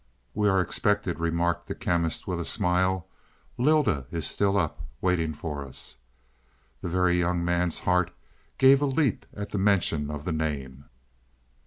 "We are expected," remarked the Chemist with a smile. "Lylda is still up, waiting for us." The Very Young Man's heart gave a leap at the mention of the name.